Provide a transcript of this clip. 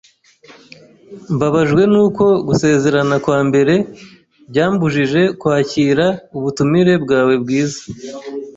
Mbabajwe nuko gusezerana kwambere byambujije kwakira ubutumire bwawe bwiza.